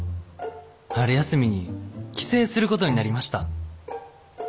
春休みに帰省することになりました。